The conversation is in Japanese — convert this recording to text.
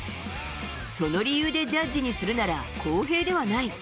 その理由でジャッジにするなら公平ではない。